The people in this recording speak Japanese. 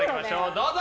どうぞ！